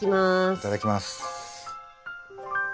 いただきます。